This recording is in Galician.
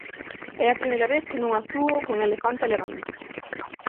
É a primeira vez que non actúo con Elefante Elegante.